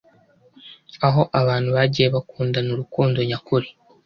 aho abantu bagiye bakundana urukundo nyakuri